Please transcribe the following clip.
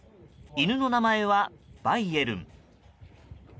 犬の名前はバイエルン。